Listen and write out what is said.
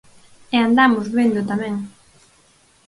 E andamos vendo, tamén.